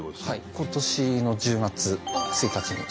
今年の１０月１日に。